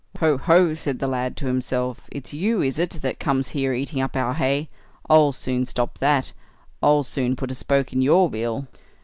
"Ho, ho!" said the lad to himself, "it's you, is it, that comes here eating up our hay? I'll soon stop that—I'll soon put a spoke in your wheel."